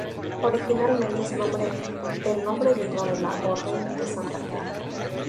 Originalmente, el nombre vino de la Orden de Santa Clara.